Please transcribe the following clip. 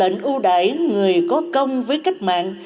người có công với cách mạng